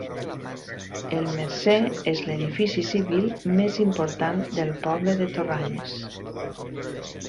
El Mercer és l'edifici civil més important del poble de Torralles.